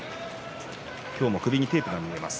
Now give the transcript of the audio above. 今日も首にテープがあります。